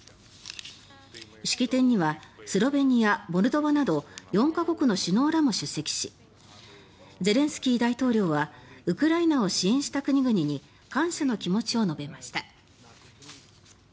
式典にはスロベニア、モルドバなど４か国の首脳らも出席しゼレンスキー大統領はウクライナを支援した国々に感謝の気持ちを述べました。